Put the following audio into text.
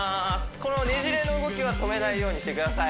このねじれの動きは止めないようにしてください